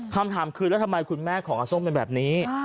คำถามคือแล้วทำไมคุณแม่ของอาส้มเป็นแบบนี้